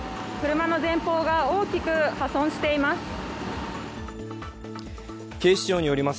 車の前方が大きく破損しています。